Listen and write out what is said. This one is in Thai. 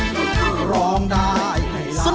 เพื่อร้องได้ให้ร้อง